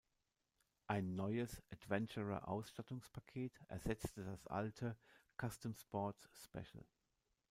Ein neues „Adventurer“-Ausstattungspaket ersetzte das alte „Custom Sports Special“.